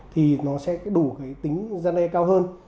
thì nó sẽ đủ cái tính gian đe cao hơn